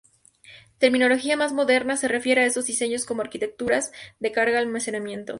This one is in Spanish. Terminología más moderna se refiere a esos diseños como arquitecturas de carga-almacenamiento.